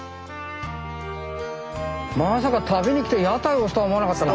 まさか旅に来て屋台押すとは思わなかったな。